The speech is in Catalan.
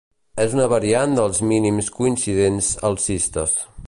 És una variant dels Mínims coincidents alcistes.